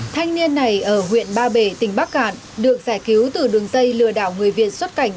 thanh niên này ở huyện ba bể tỉnh bắc cạn được giải cứu từ đường dây lừa đảo người việt xuất cảnh